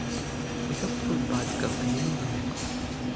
І каб твой бацька загінуў навек.